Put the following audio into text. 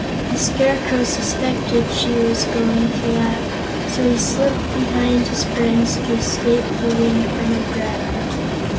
The Scarecrow suspected she was going to laugh, so he slipped behind his friends to escape the wind from her breath.